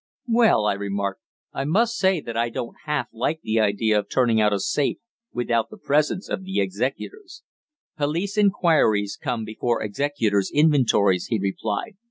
"Well," I remarked, "I must say that I don't half like the idea of turning out a safe without the presence of the executors." "Police enquiries come before executors' inventories," he replied.